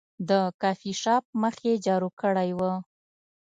د کافي شاپ مخ یې جارو کړی و.